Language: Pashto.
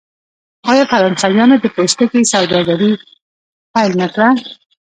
آیا فرانسویانو د پوستکي سوداګري پیل نه کړه؟